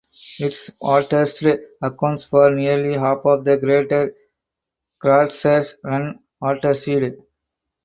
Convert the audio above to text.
Its watershed accounts for nearly half of the greater Kratzer Run watershed.